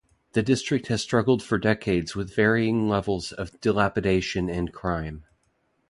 The District has struggled for decades with varying levels of dilapidation and crime.